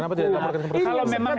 kenapa tidak dilaporkan ke proses hukum